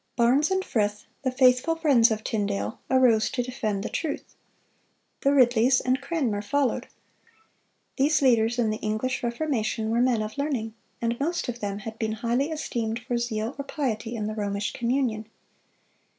(365) Barnes and Frith, the faithful friends of Tyndale, arose to defend the truth. The Ridleys and Cranmer followed. These leaders in the English Reformation were men of learning, and most of them had been highly esteemed for zeal or piety in the Romish communion.